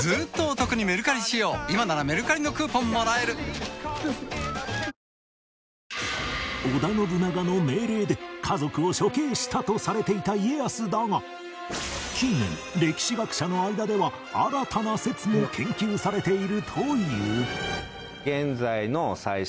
一日を一生のように生きる麒麟特製レモンサワー織田信長の命令で家族を処刑したとされていた家康だが近年歴史学者の間では新たな説も研究されているという